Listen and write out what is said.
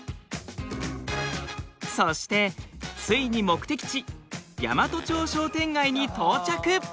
そしてついに目的地大和町商店街に到着。